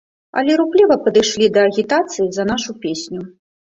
Але рупліва падышлі да агітацыі за нашу песню.